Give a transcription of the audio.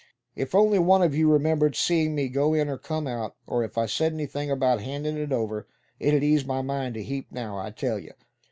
If one of you only remembered seeing me go in, or come out; or if I said anything about handin' it over, it'd ease my mind a heap, now, I tell you."